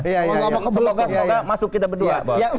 semoga semoga masuk kita berdua